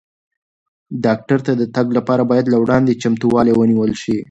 ډاکټر ته د تګ لپاره باید له وړاندې چمتووالی ونیول شي.